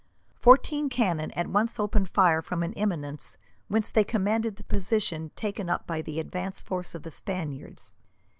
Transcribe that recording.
Fourteen cannon at once opened fire from an eminence, whence they commanded the position taken up by the advance force of the Spaniards.